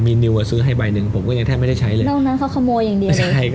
มีนิวซื้อให้ใบหนึ่งผมก็ยังแทบไม่ได้ใช้เลย